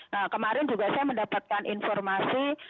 nah kemarin juga saya mendapatkan informasi